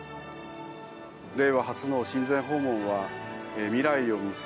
令和初の親善訪問は未来を見据え